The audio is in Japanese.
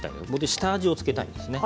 下味を付けたいんですね。